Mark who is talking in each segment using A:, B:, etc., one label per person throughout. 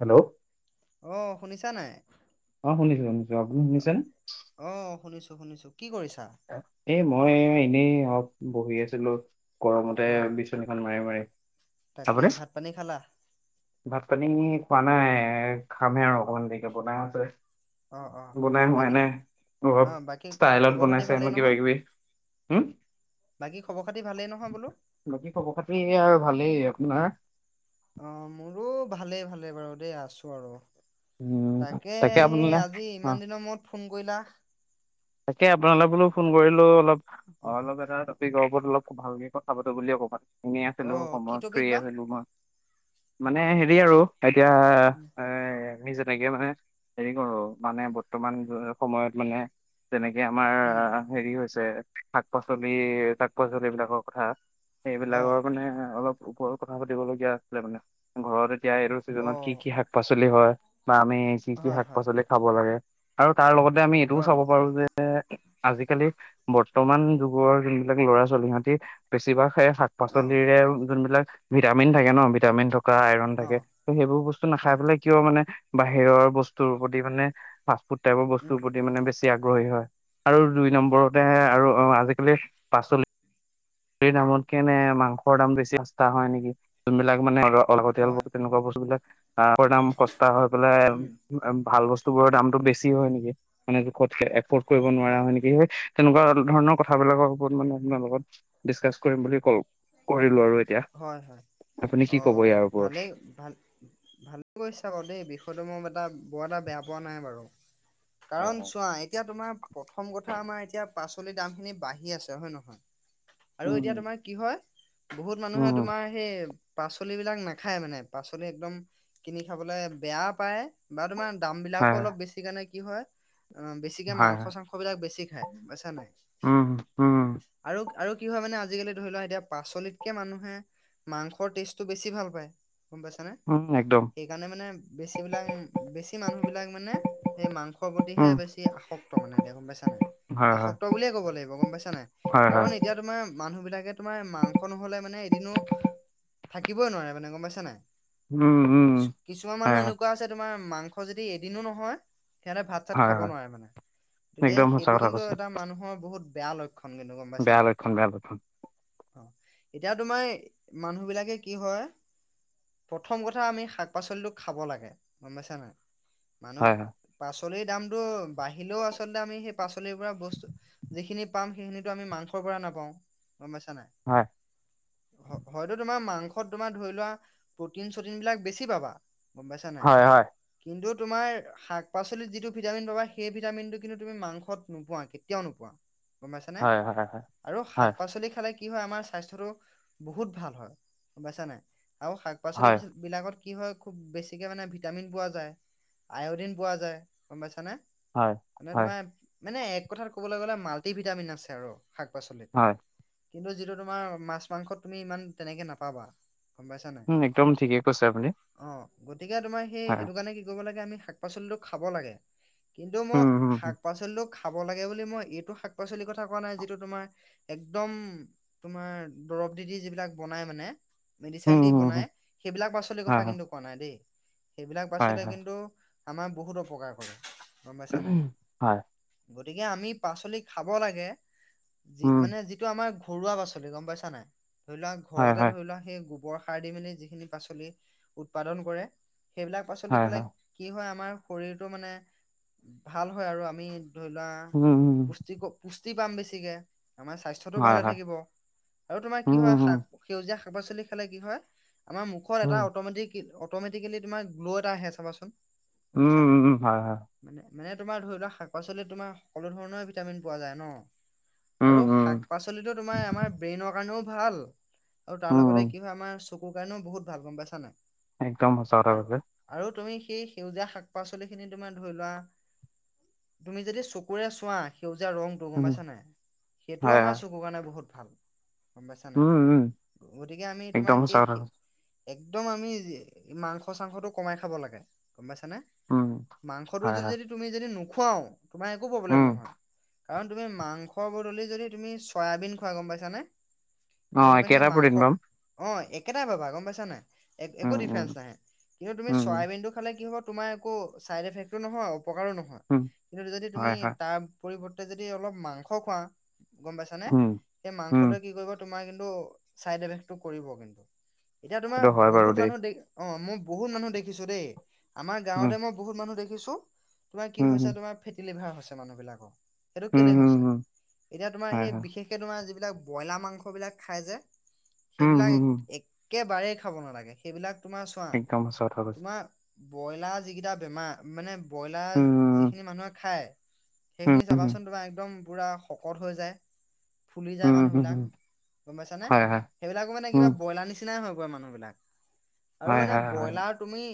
A: Hello
B: অ শুনিছা নাই?
A: অ শুনিছো শুনিছো। তুমি শুনিছানে?
B: অ শুনিছো শুনিছো। কি কৰিছা?
A: এ মই এনেই অলপ বহি আছিলো গৰমতে
B: অহ
A: এইখন মাৰি মাৰি-
B: তাকে
A: আপুনি?
B: ভাত পানী খালা।
A: ভাত পানী খোৱা নাই খামহে আৰু অকমান দেৰিকে বনাই আছে।
B: অহ অহ
A: বনাই হোৱাই
B: বাকী
A: নাই অলপ
B: অহ বাকী
A: ষ্টাইলত
B: খবৰ খাতি
A: বনাইছে। হেনো
B: ভালেই
A: কিবা
B: নহয়
A: কিবি। হুম,
B: বাকী খবৰ খাতি ভালেই নহয় বোলো।
A: বাকী খবৰ খাতি আৰু ভালেই। আপোনাৰ-
B: অ মোৰো ভালেই ভালে বাৰু দেই আছো আৰু
A: উম,
B: তাকে সেই আজি ইমান
A: অ',
B: দিনৰ মূৰত ফোন কৰিলা।
A: তাকে আপোনালৈ বোলো ফোন কৰিলো অলপ অ
B: অহ
A: অলপ এটা- ত অলপ ভালকে কথা পাতো বুলি অকণমান কনে আছিলো
B: অহ কি
A: সময়ত
B: টপিক
A: ফ্ৰ্ৰি
B: বা?
A: আছিলো। মই মানে হেৰি আৰু এতিয়া এ আমি যেনেকে মানে হেৰি কৰো মানে বৰ্তমান সময়ত মানে যেনেকে আমাৰ।
B: উম
A: হেৰি হৈছে শাক -পাচলি শাক- পাচলি বিলাকৰ কথা। সেইবিলাকৰ
B: অহ
A: মানে অলপ ওপৰত কথা পাতিব লগগীয়া আছিলে মানে। ঘৰত এতিয়া এইটো ছিজনত কি
B: অহ
A: কি শাক পাচলি হয় বা আমি কি কি
B: হয়
A: শাক
B: হয়
A: -পাচলি চাব লাগে আৰু তাৰ লগতে আমি এইটোও
B: অহ
A: চাব পাৰো যে। আজি-কালি বৰ্তমান যুগৰ যোনবিলাক ল'ৰা ছোৱালী সহতি বেছিভাগ শাক
B: অহ
A: পাচলিৰে যোন বিলাক ভিটামিন থাকে ন ভিটামিন থকা আইৰন- তাকে
B: অহ
A: সেইবোৰ বস্তু নাখাই
B: হয় হয়
A: পেলাই কিয় মানে বাহিৰৰ বস্তুৰ প্ৰতি মানে ফুট টাইপৰ বস্তুৰ
B: উম
A: প্ৰতি মানে বেছি আগ্ৰহী হয় আৰু দুই নম্বৰতেহে
B: হয়
A: আৰু অ আজিকালি। পাচলি পালিৰ দামতকে নে মাংসৰ দাম বেছি সস্তা হয় নেকি যোনবিলাক মানে। অলপতিয়াল
B: হয়
A: ব তেনেকুৱা বস্তুবিলাক আহ পৰি নাম কষ্টা হৈ পেলাই।
B: উম
A: ভাল বস্তু বোৰৰ দামতো বেছি হয় নেকি মানে কত এফৰ্ড কৰিব নোৱাৰা হয় নেকি? সেই তেনেকুৱা ধৰণৰ কথাবিলাকৰ ওপৰত মানে আপোনাৰ লগত ডিচকাচছ কৰিম বুলি কল কৰিলো আৰু এতিয়া
B: হয় হয়।
A: আপুনি
B: অ
A: কি ক'ব ইয়াৰ ওপৰত?
B: ভালেই ভাল- ভাল কৰিছে আকৌ দেই বিষয়টো মোৰ এটা বৰ এটা বেয়া পোৱা নাই। বাৰু কাৰণ চোৱা এতিয়া তোমাৰ- প্ৰথম কথা আমাৰ এতিয়া পাচলি দাম খিনি বাঢ়ি আছে হয় নহয় আৰু এতিয়া
A: উম
B: তোমাৰ- কি হয় বহুত মানুহে
A: উম
B: তোমাৰ- সেই পাচলিবলাক নাখায় মানে। পাচলি একদম কিনি খাবলে বেয়া পায়। বা তোমাৰ দাম বিলাকো
A: হয়
B: অলপ বেছি কাৰণে কি হয় অ বেছিকে
A: হয়
B: মাংস
A: হয়
B: -চাংস মাংস খবলাক বেছি খাই গমপাইচা নাই
A: উম উম
B: আৰু আৰু কি হয় মানে আজিকালি ধৰি লোৱা এতিয়া পাচলিত- তেনেকে মানুহে মাংসৰ, টেষ্টটো বেছি ভাল পায় গম পাইছানে।
A: উম একদম
B: সেইকাৰণে মানে বেছি বিলাক বেছি। সেই মানুহ বিলাক মানে সেই মাংসৰ প্ৰতিহে
A: উম
B: বেছি আসক্ত মানেতিয়া গম পাইছা নাই।
A: হয় হয়
B: আসক্ত বুলিয়ে ক'ব লাগিব গম পাইছা নাই।
A: হয় হয়
B: কাৰণ এতিয়া তোমাৰ মানুহ বিলাকে তোমাৰ মাংস, লে মানে এদিনো থাকিবই নোৱাৰে মানে গম পাইছা নাই।
A: উম উম
B: কিছু কিছুমান মানুহ
A: হয়
B: এনেকুৱা আছে তোমাৰ মাংস যদি এদিনো নহয়। সিহঁতে ভাত চাত
A: হয়
B: খাব
A: হয়
B: নোৱাৰে মানে গতিকে
A: একদম সঁচা
B: সেইটো
A: কথা
B: কিন্তু
A: কৈছে
B: এটা মানুহৰ বহুত বেয়া লক্ষ্য।
A: বেয়া লক্ষ্যন বেয়া লক্ষ্যন
B: অ এতিয়া তোমাৰ মানুহ বিলাকে কি হয় প্ৰথম কথা আমি শাক-পাচলিটো খাব লাগে গম পাইছা নাই
A: হয়
B: মানুহ পাচলিৰ দামটো বাঢ়িলেও আচলতে আমি সেই পাচলিৰ পৰা বস্তু যিখিনি পাম সেইখিনিটো আমি মাংসৰ পৰা নাপাওঁ গম পাইছা নাই
A: হয়
B: হয় হয়তো তোমাৰ মাংসত তোমাৰ ধৰি লোৱা প্ৰটিন চটিন বিলাক বেছি পাবা গম পাইছা নাই
A: হয় হয়
B: কিন্তু তোমাৰ শাক-পাচলিত যিটো ভিটামিন পাবা সেই ভিটামিনটো কিন্তু তুমি মাংসত নোপোৱা কে- তিয়াও নোপোৱা গম পাইছা নে
A: হয় হয় হয় হয়
B: আৰু
A: হয়
B: শাক-পাচলি খালে কি হয় আমাৰ স্বা- স্থ্যটো বহুত ভাল হয় গম পাইছা নাই আৰু শাক-পাচলি
A: হয়
B: বিচ বিলাকত কি হয় খুব বেছিকে মানে ভিটামিন পোৱা যায়, আয়দিন পোৱা যায় গম পাইছানে
A: হয়
B: মানে
A: হয়
B: তোমাৰ মানে এক কথাত কবলৈ গ'লে মাল্টি ভভিটামিন আছে আৰু শাক-পাচলিত।
A: হয়
B: কিন্তু যিটো তোমাৰ মাছ, মাংসত তুমি ইমান তেনেকে নাপাবা। গম পাইছা নাই?
A: উম একদম ঠিকেই কৈছে আপুনি।
B: অ গতিকে তোমাৰ সেই
A: হয়,
B: সেইটো কাৰণে কি কৰিব লাগে আমি শাক-পাচলীটো খাব লাগে। কিন্তু মই
A: উম, হুম, হুম,
B: শাক -পাচলীটোট খাব লাগে বুলি মই এইটো শাক-পাচলি কথা কোৱা নাই যিটো তোমাৰ একদম তোমাৰ দৰব দি দি যিবিলাক বনাই মানে, মেডিচিন
A: হুম,
B: দি
A: হুম,
B: বনাই
A: হুম।
B: সেইবিলাক পাচলিৰ
A: হয়,
B: কথা
A: হয়,
B: কিন্তু কোৱা নাই দেই সেইবিলাক
A: হয়,
B: পাচলি
A: হয়,
B: কিন্তু আমাৰ বহুত অপকাৰ কৰে। গম পাইছা নাই
A: হয়,
B: গতিকে আমি পাচলি খাব লাগে। যি
A: উম,
B: মানে যিটো আমাৰ ঘৰুৱা পাচলি গম পাইছা নাই ধৰি লোৱা
A: হয়,
B: ঘৰতে
A: হয়,
B: ধৰি লোৱা সেই গোবৰ সাৰ দি মেলি যিখিনি পাচলি উৎপাদন কৰে সেইবিলাক পাচলি
A: হয়,
B: খালে
A: হয়,
B: কি হয় আমাৰ শৰীৰটো মানে ভাল হয় আৰু আমি ধৰি লোৱা অহ
A: উম, উম,
B: পুষ্টিক পুষ্টি পাম বেছিকে আমাৰ স্বাস্থ্যতোও
A: হয়,
B: ভালে
A: হয়,
B: থাকিব। আৰু তোমাৰ
A: উম,
B: কি হয়
A: উম,
B: শাক সেউজীয়া শাক-পাচলি খালে কি হয় আমাৰ মুখত
A: উম,
B: এটা অট'মেটিক কি অটমেটিকেলি তোমাৰ গ্ল' এটা আহে চাবাচোন গম
A: উম,
B: পাইছা নাই
A: উম, হয়, হয়,
B: মানে মানে তোমাৰ ধৰি লোৱা শাক-পাচলিত তোমাৰ সকলো ধৰণৰ ভিটামিন পোৱা যায় ন
A: উম,
B: আৰু
A: উম,
B: শাক-পাচলিটো তোমাৰ আমাৰ ব্ৰেইনৰ কাৰণেও ভাল। আৰু তাৰ
A: উম, উম,
B: লগতে কি হয় আমাৰ চকুৰ কাৰণেও বহুত ভাল গম পাইছা নাই
A: একদম সঁচা
B: আৰু
A: কথা কৈছে।
B: আৰু তুমি সেই সেউজীয়া শাক-পাচলি খিনি তুমাৰ ধৰি লোৱা তুমি যদি চকুৰে চোৱা সেউজীয়া ৰং- টো গম
A: উম,
B: পাইছা নাই সেইটোও
A: হয়, হয়,
B: আমাৰ চকুৰ কাৰণে বহুত ভাল। গম পাইছা নাই
A: উম, উম,
B: গতিকে আমি তোমাৰ
A: একদম সঁচা
B: সেই
A: কথা কৈছে।
B: একদম আমি মাংস চাংসটো কমাই খাব লাগে গম পাইছানে
A: উম,
B: মাংসটো
A: হয়,
B: যদি
A: হয়,
B: যদি তুমি যদি নোখোৱাও তোমাৰ একো প্ৰব্লেম
A: উম,
B: নহয়। কাৰণ তুমি মাংসৰ বদলি যদি তুমি চয়াবিন খুৱা গম পাইছানে তেন্তে
A: অ',
B: তুমি সেই
A: একেটা
B: মাংস
A: প্ৰটিন পাম।
B: অঁ একেটাই পাবা গম পাইছা নাই এক একো
A: উম, উম,
B: ডিফাৰেঞ্চ নাহে কিন্তু তুমি
A: উম,
B: চয়াবিনটো খালে কি হ'ব তোমাৰ একো চাইড এফেক্ট টো নহয় অপকাৰো নহয়
A: উম,
B: কিন্তু যদি তুমি
A: হয়, হয়,
B: তাৰ পৰিৱৰ্তে যদি অলপ মাংস খোৱা গম পাইছা নে
A: উম,
B: সেই মাংস
A: উম,
B: কি কৰিব তোমাৰ কিন্তু চাইড এফেক্টটো কৰিব কিন্তু এতিয়া তোমাৰ
A: সেইটো হয় বাৰু
B: বহুত
A: দেই।
B: মানুহ দেখি- অ মই বহুত মানুহ দেখিছো দেই আমাৰ
A: উম,
B: গাঁৱতে মই বহুত মানুহ দেখিছো। তোমাৰ কি
A: উম,
B: হৈছে
A: উম,
B: তোমাৰ ফেটি লিভাৰ হৈছে মানুহবিলাকৰ সেইটো
A: উম,
B: কেলেই
A: উম,
B: হৈছে?
A: উম,
B: এতিয়া তোমাৰ
A: হয়,
B: সেই
A: হয়,
B: বিশেষকে তোমাৰ যিবিলাক ব্ৰইলাৰ মাংস বিলাক খাই যে
A: উম,
B: সেইবিলাক
A: উম, উম।
B: একেবাৰেই খাব নালাগে সেইবিলাক তোমাৰ চোৱা
A: একদম সঁচা কথা কৈছে।
B: তোমাৰ ব্ৰইলাৰ যিকেইটা বেমাৰ মানে ব্ৰইলাৰ
A: উম,
B: যিখিনি মানুহে খায়
A: উম,
B: সেইখিনি
A: উম,
B: চাবাচোন তোমাৰ একদম পোৰা শকত হৈ যায়, ফুলি যায়
A: উম,
B: মানুহ
A: উম,
B: বিলাক
A: উম,
B: বিলাক গম পাইছা নে?
A: হয়, হয়,
B: সেইবিলাকো মানে
A: উম,
B: কিবা ব্ৰইলাৰ নিচিনাই হৈ পৰে মানুহ বিলাক। আৰু
A: হয়,
B: মানে
A: হয়, হয়,
B: ব্ৰইলাৰ তুমি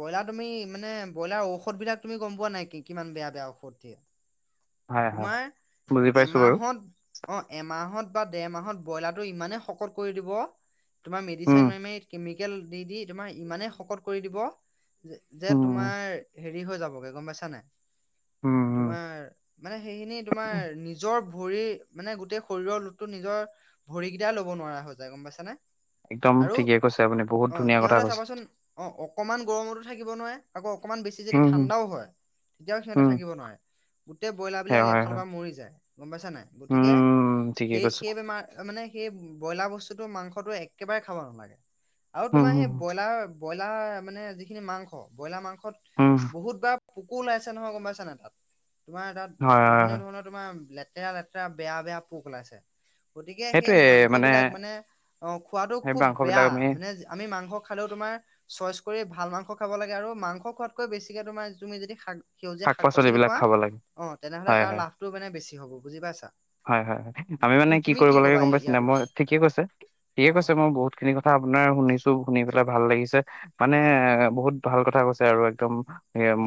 B: ব্ৰইলাৰ তুমি মানে ব্ৰইলাৰ ঔষধ বিলাক তুমি গম পোৱা নাই, কি কিমান বেয়া বেয়া ঔষধ দিয়ে।
A: [inaudible]
B: তোমাৰ
A: বুজি পাইছো বাৰু।
B: এমাহত অ এমাহত বা ডেৰ মাহত ব্ৰইলাৰটো ইমানে শকত কৰি দিব, তোমাৰ
A: উম,
B: মেডিচেন মাৰি মাৰি কেমিকেল দি দি তোমাৰ ইমানেই শকত কৰি দিব, যে
A: উম,
B: তোমাৰ হেৰি হৈ যাবগে গম পাইছা নাই?
A: উম, উম,
B: তোমাৰ মানে সেইখিনি তোমাৰ নিজৰ ভৰি মানে গোটেই শৰীৰৰ লু টো নিজৰ ভৰিকেইটাই ল'ব নোৱাৰা হৈ যায়, গম পাইছা নে?
A: একদম
B: আৰু
A: ঠিকে কৈছে আপুনি বহুত
B: অ
A: ধুনীয়া কথা
B: সিহঁতে
A: কৈছে।
B: চাবাচোন অ অকণমান গৰমতো থাকিব নোৱাৰে। আকৌ অকণমান বেছি যদি
A: উম, উম,
B: ঠাণ্ডাও হয় তেতিয়াও সিহঁতে
A: উম,
B: থাকিব নোৱাৰে, গোটেই ব্ৰইলাৰ
A: হয়,
B: বিলাক
A: হয়,
B: এফালৰ
A: হয়,
B: পৰা মৰি যায়, গম পাইছা নাই? গতিকে
A: উম, ঠিকে
B: সেই
A: কৈছে।
B: সেই বেমাৰ মানে সেই ব্ৰইলাৰ বস্তুটো মাংসটো একেবাৰে খাব নালাগে। আৰু
A: উম,
B: তোমাৰ
A: উম,
B: সেই ব্ৰইলাৰ ব্ৰইলাৰ মানে যিখিনি মাংস, ব্ৰইলাৰ মাংসত
A: উম,
B: বহুতবাৰ পোকো ওলাইছে নহয়, গম পাইছা নাই তাত? তোমাৰ
A: হয়,
B: তাত
A: হয়, হয়,
B: বিভিন্ন ধৰণৰ তোমাৰ লেতেৰা লেতেৰা বেয়া বেয়া পোক ওলাইছে। গতিকে সেই মাংস বিলাক মানে অহ খোৱাটো
A: সেই
B: খুব
A: মাংসবিলাক
B: বেয়া,
A: আমি
B: মানে আমি মাংস খালেও তোমাৰ চইচ কৰি ভাল মাংস খাব লাগে, আৰু মাংস খোৱাতকৈ বেছিকে তোমাৰ তুমি যদি শাক সেউজীয়া শাক পাচলি
A: শাক-পাচলিবিলাক
B: খোৱা,
A: খাব লাগে,
B: অ তেনেহলে
A: হয়,
B: তাৰ
A: হয়।
B: লাভটো মানে বেছি হ'ব। বুজি পাইছা?
A: হয় হয় হয়, আমি মানে
B: তুম
A: কি
B: তুমি
A: কৰিব লাগে
B: ক'বা
A: গম
B: এই-
A: পাইছে
B: ইয়াৰ
A: নাই? মই
B: বিষয়ে
A: ঠিকে কৈছে ঠিকে
B: অ অ
A: কৈছে মই বহুত খিনি কথা আপোনাৰ শুনিছো শুনি পেলাই ভাল লাগিছে, মানে
B: হয়
A: এ বহুত ভাল কথা কৈছে আৰু একদম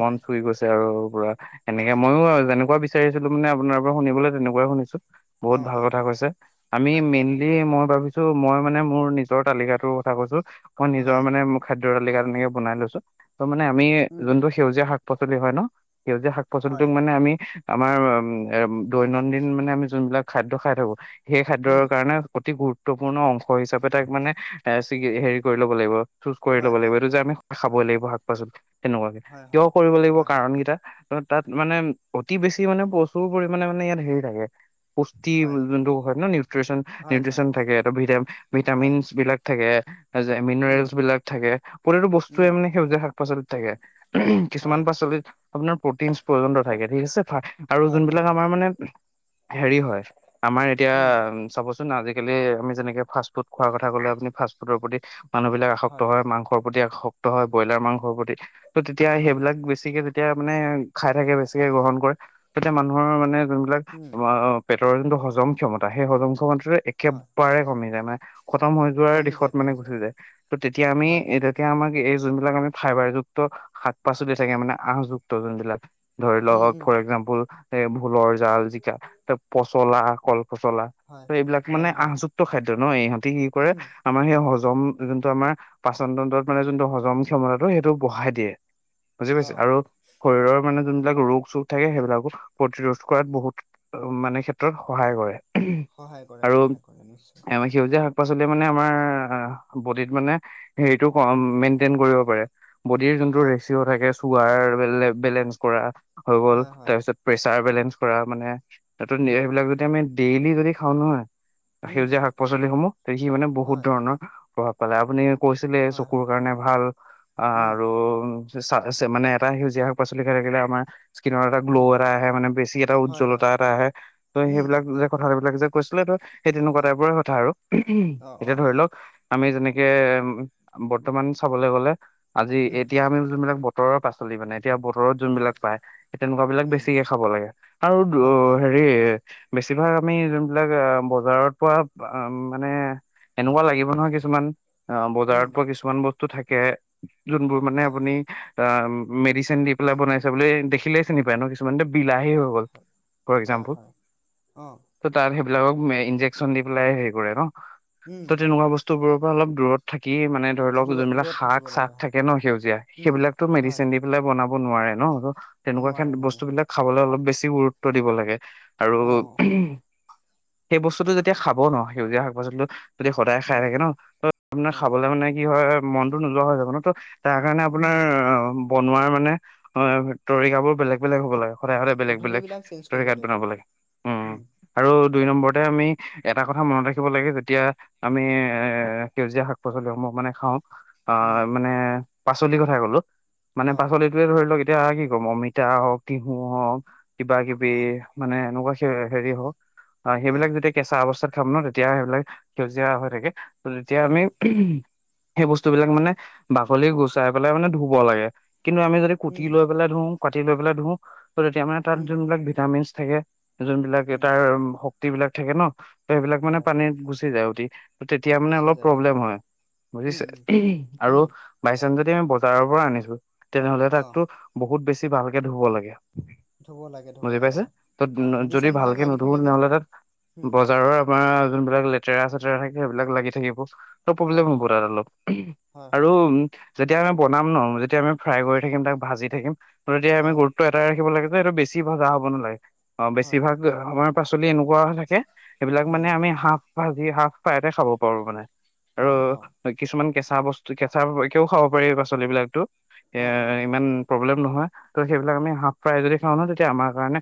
A: মন চুই গৈছে আৰু পোৰা, এনেকে মইও আৰু যেনেকুৱা বিচ বিচাৰি আছিলো মানে আপোনাৰ পৰা শুনিবলৈ তেনেকুৱাই শুনিছো। বহুত
B: অ
A: ভাল
B: অ
A: কথা
B: অ
A: কৈছে, আমি
B: তাকে
A: মেইনলি
B: তাকে
A: মই ভাবিছো মই মানে মোৰ নিজৰ তালিকাটোৰ কথা কৈছো মই নিজৰ
B: হয়
A: মানে খাদ্যৰ তালিকা তেনেকে বনাই লৈছো, ত মানে আমি
B: উম
A: যোনটো সেউজীয়া শাক পাচলি হয় ন সেউজীয়া শাক
B: হয়
A: পাচলিটোক মানে আমি আমাৰ এ দৈনন্দিন মানে আমি যোনবিলাক খাদ্য খাই থাকো সেই খাদ্যৰ
B: উম
A: কাৰণে অতি গুৰুত্বপূৰ্ণ অংশ হিচাপে তাক মানে এ সিকি হেৰি কৰি ল'ব লাগিব। চুজ কৰি
B: হয়
A: ল'ব লাগিব
B: হয়
A: এইটো যে আমি
B: হয়
A: খাবই লাগিব শাক পাচলি তেনেকুৱাকে,
B: হয়
A: কিয়
B: হয়
A: কৰিব লাগিব
B: হয়
A: কাৰণ কেইটা ত তাত মানে অতি বেছি মানে প্ৰচুৰ পৰিমানে মানে ইয়াত হেৰি থাকে পুষ্টি
B: হয়
A: যোনটো হয় ন, নিউট্ৰিচন
B: হয় হয়
A: নিউট্ৰিচন থাকে ভিটামিন
B: হয়
A: ভিটামিনচ বিলাক থাকে যে
B: উম
A: মিনাৰেলচ বিলাক থাকে প্ৰতিটো
B: উম
A: বস্তুেই মানে সেউজীয়া শাক পাচলিত থাকে। [unintelligible] কিছুমান
B: হয়
A: পাচলিত আপোনাৰ প্ৰটিনচ পৰ্যন্ত থাকে ঠিক আছে, আৰু
B: হয় হয়
A: যোনবিলাক
B: হয়
A: আমাৰ মানে হেৰি হয় আমাৰ এতিয়া
B: উম
A: চাবচোন আজিকালি আমি যেনেকে ফাচ ফুড খোৱাৰ কথা ক'লে আপুনি ফাষ্টফুডৰ প্ৰতি মানুহ বিলাক আসক্ত হয় মাংসৰ প্ৰতি আস ত হয় ব্ৰইলাৰ মাংসৰ প্ৰতি, ত' তেতিয়া
B: হয়
A: সেইবিলাক বেছিকে এতিয়া মানে খাই থাকে বেছিকে গ্ৰহণ কৰে তেতিয়া মানুহৰ মানে যোনবিলাক
B: উম
A: অ পেটৰ যোনটো হজম ক্ষমতা সেই হজম ক্ষমতাটো
B: হয়
A: একেবাৰে কমি যায় মানে খতম হৈ যোৱাৰ
B: কমি
A: দিশত
B: যায়
A: মানে
B: কমি
A: গুচি যায়, ত তেতিয়া আমি
B: হয়
A: এ এতিয়া আমাক এই যোনবিলাক ফাইবাৰযুক্ত শাক পাচলি থাকে মানে আহযুক্ত যোনবিলাক। ধৰি
B: উম
A: লওক
B: উম
A: ফৰ একজাম্পল এ ভোলৰ জাল, জিকা, পচলা, কল পচলা ত
B: হয়
A: এইবিলাক মানে
B: হয় হয়
A: আহযুক্ত খাদ্য ন, ইহঁতি কি কৰে
B: উম
A: আমাৰ সেই হজম যোনটো আমাৰ পাচনতন্ত্ৰত মানে যোনটো হজম ক্ষমতাটো সেইটো বঢ়াই দিয়ে। বুজি
B: অ
A: পাইছে, আৰু শৰীৰৰ মানে যোনবিলাক ৰোগ চোগ থাকে, সেইবিলাকো প্ৰতিৰোধ কৰাত বহুত মানে ক্ষেত্ৰত সহায় কৰে।
B: সহায় কৰে
A: আৰু
B: সহায় কৰে নিশ্চয়।
A: আমাৰ সেউজীয়া শাক পাচলি মানে আমাৰ বডিত মানে সেইটো
B: উম
A: মেনণ্ট ণ্টেন কৰিব পাৰে, বডিযে যোনটো
B: অ
A: ৰেক্সিও থাকে সুৱাৰেল বেলেঞ্চ কৰা। হৈ গল,
B: হয় হয়
A: তাৰপিছত প্ৰেচাৰ বেলেঞ্চ কৰা মানে নতুন সেইটো
B: উম
A: নিয়েৰ বিলাক যদি আমি ডেইলি যদি খাওঁ নহয়,
B: উম
A: সেউজীয়া শাক পাচলিসমূহ তে সি মানে বহুত
B: হয়
A: ধৰণৰ প্ৰভাৱ পেলাই। আপুনি কৈছিলে
B: হয়
A: চকুৰ
B: হয়
A: কাৰণে ভাল আহ
B: উম,
A: আৰু পেছাত আছে। মানে এটা সেউজীয়া শাক পাচলি খাই থাকে আমাৰ স্কিনৰ এটা গ্ল'
B: উম,
A: এটা আহে মানে বেছি এটা
B: হয়,
A: উজ্জ্বলত ক এটা
B: হয়,
A: এটা আহে। ত'
B: উম,
A: সেইবিলাক যে কথা বিলাক যে কৈছিলে ত সেই তেনেকুৱা
B: হয়,
A: টাইপৰে কথা আৰু,
B: অ',
A: এতিয়া
B: অ',
A: ধৰি লওক আমি যেনেকে উম বৰ্তমান চাবলে গ'লে আজি
B: উম,
A: এতিয়া আমি যোনবিলাক ব তৰৰ পাচলি মানে, এতিয়া বতৰত
B: হয়,
A: যোনবিলাক পায় সেই তেনেকুৱা বিলাক
B: উম,
A: বেছিকে খাব লাগে, আৰু
B: হয় হয়।
A: সেইয়ে বেছিভাগ আমি যোনবিলাক এ বজাৰত পোৱা মানে এনেকুৱা লাগিব নহয় কিছুমান অঁ,
B: উম,
A: বজাৰত পোৱা কিছুমান বস্তুও মানে
B: হয়, হয়,
A: আপুনি মেদি চিন দি পেলাই বনাইছে বোলে এই দেখিলে চিনি পায় ন, কিছুমানাটো বিলাহী হৈ গ'ল।
B: হয়,
A: ফৰ
B: হয়,
A: একজাম্পল,
B: হয়, অ',
A: ত তাত সেইবিলাকক ইনজেকচন দি পেলাই হেৰি কৰে ন।
B: উম,
A: ত' তেনেকুৱা বস্তুবোৰৰ পৰা অলপ দূৰত। থাকি মানে ধৰি লওক
B: দূৰত,
A: যোনবিলাক
B: দূৰত থাকিব
A: শাক
B: লাগে
A: চাক
B: হয়,
A: থাকে ন সেউজীয়া
B: উম,
A: সেইবিলাকো
B: হয়,
A: মেডিচিন দি লে বনাব নোৱাৰে ন ত তেনেকুৱা
B: নোৱাৰে, নোৱাৰে
A: বস্তু
B: হয়,
A: বিলাক খাবলৈ অলপ বেছি গুৰুত্ব দিব লাগে আৰু।
B: অঁ
A: উম, সেই বস্তুটো যেতিয়া খাব ন সেউজীয়া শাক পাচলিটো যদি সদায় খাই
B: উম,
A: থাকে ন, ত মানে
B: অ',
A: খাবলৈ মানে কি হয় মনটো নোযোৱা হৈ যাব ন। ত তাৰ কাৰণে
B: উম,
A: আপোনাৰ অঁ বনোৱাৰ মানে অ তৰিকাবোৰ বেলেগ বেলেগ হ'ব লাগে। সদায়
B: হয়,
A: সদায় বেলেগ বেলেগ
B: পদ্ধতিবিলাক চেঞ্জ কৰিব
A: তৰিকাত
B: লাগিব,
A: বনাব লাগে, উম আৰু দুই নম্বৰতে আমি এটা কথা মনত ৰাখিব লাগে যেতিয়া আমি এ সেউজীয়া শাক পাচলিসমূহ মানে খাওঁ। অঁ
B: উম,
A: মানে পাচলি কথাই ক'লো মানে
B: অ',
A: পাচলিত টোৱে ধৰি লওক এতিয়া কি কম অমিতা হওক তিহু হওক কিবা কি বি
B: অ',
A: মানে এনেকুৱা
B: উম,
A: হেৰি হওক
B: অ',
A: সেইবিলাক যে কেঁচা অৱস্থাত খাম ন, তেতিয়া সেইবিলাক সেউজীয়া হৈ থাকে। ত তেতিয়া আমি
B: হয়,
A: সেই বস্তুবিলাক মানে বাকলি গুচাই পেলাই মানে ধুব লাগে। কিন্তু আমি যদি কুটি
B: উম,
A: লৈ পেলাই ধোঁ কাটি লৈ পেলাই ধোঁ, ত তেতিয়া মানে তাত
B: উম,
A: যোনবিলাক ভিটামিনছ থাকে যোনবিলাক
B: উম,
A: তাৰ শক্তি বিলাক থাকে ন, সেইবিলাক মানে
B: হয়,
A: পানীত গুচি যায় উতি। তেতিয়া মানে
B: গুচি
A: অলপ
B: যায়
A: প্ৰব্লেম হয়,
B: উম, উম,
A: বুজিছে আৰু
B: উম,
A: বাইচাঞ্চ যদি আমি বজাৰৰ পৰা আনিছো, তেনেহ'লে
B: অ',
A: তাকটো বহুত বেছি ভালকে ধুব লাগে।
B: ধুব লাগে। ধুব
A: বুজি
B: লাগে
A: পাইছে,
B: হয়
A: ত
B: অঁ
A: যদি
B: মেডিচিনবিলাক
A: ভালকে
B: লাগি
A: নুধো
B: থাকে যে
A: তেনেহ'লে তাত
B: উম
A: বজাৰৰ তোমাৰ যোনবিলাক লেতেৰা চেতেৰা থাকে, সেইবিলাক লাগি থাকিব।
B: হয়
A: প্ৰব্লেম হ'ব
B: হয়
A: তাত অলপ,
B: হয়
A: আৰু
B: হয়
A: যেতিয়া আমি বনাম ন যেতিয়া আমি ফ্ৰাই কৰি থাকিম, তাক ভাজি থাকিম, তেতিয়া আমি
B: অঁ
A: গুৰুত্ব অতৰাই ৰাখিব লাগে যে, এইটো বেছি ভজা হ'ব নালাগে, অ',
B: হয় হয়
A: বেছিভাগ আমাৰ শাক পাচলি এনেকুৱা হৈ থাকে, সেইবিলাক
B: উম
A: মানে আমি হাফ ভাজি হাফ ফ্ৰাইতে খাব পাৰো মানে। আৰু
B: অ' অ'।
A: কিছুমান কেঁচা বস্তু, কেঁচা একেও খাব পাৰি পাচলি বিলাকতো এ
B: অঁ অঁ
A: ইমান প্ৰব্লেম নহয়, ত' সেইবিলাক আমি হাফ ফ্ৰাই যদি খাওঁ নহয়, তেতিয়া আমাৰ কাৰণে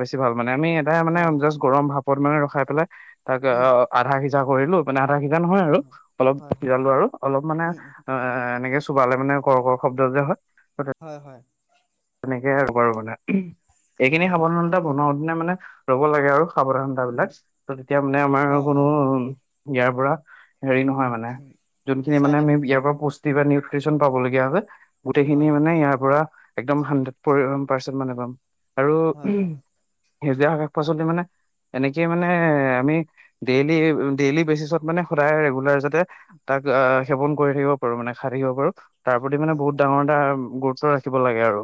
A: বেছি ভাল মানে আমি এই মানে
B: অঁ
A: জাষ্ট গৰম ভাপত মানে ৰখাই পেলাই তাক
B: উম
A: অ', আধা সিজা কৰিলো। মানে আধা সিজা নহয়
B: হয়
A: আৰু,
B: হয়
A: অলপ
B: হয় হয়
A: সিজালো আৰু অলপ মানে
B: উম উম
A: অ' এ এনেকে চোবালে মানে কৰৰ্কৰ শব্দ যে হয়।
B: হয় হয়।
A: তেনেকেইে আৰু বাৰু মানে, এইখিনি
B: অঁ
A: সাৱধানতা বনাওঁতে মানে লব লাগে আৰু। সাৱধানতা
B: উম
A: বিলাক, ত তেতিয়া মানে আমাৰ
B: অঁ
A: কোনো,
B: অঁ
A: উম, ইয়াৰ পৰা হেৰি নহয়।
B: উম
A: যোনখিনি মানে
B: ছাইড
A: আমি
B: এফেক্ট
A: ইয়াৰ পৰা পো কিবা নিউট্ৰিচন পাব লগীয়া আছে,
B: নহয়
A: গোটেইখিনি মানে ইয়াৰ পৰা একদম হাড্ৰেড পাৰ্চেণ্ট মানে পাম, আৰু
B: হয় হয় হয়
A: সেউজীয়া শাক পাচলি মানে এনেকে মানে, আমি ডেইলি, ডেইলি বেচিছত মানে সদায় ৰেগুলাৰ যাতে তাক আহ সেৱন কৰি থাকিব পাৰো, মানে খাই থাকিব পাৰো। তাৰ প্ৰতি মানে
B: হয়
A: বহুত
B: হয়
A: ডাঙৰ এটা গুৰুত্ব ৰাখিব লাগে আৰু।